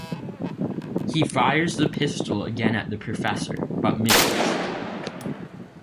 He fires the pistol again at the professor, but misses.